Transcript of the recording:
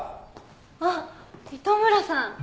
あっ糸村さん。